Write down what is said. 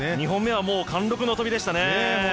２本目は貫禄の飛びでしたね